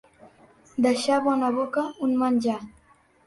Deixar bona boca un menjar.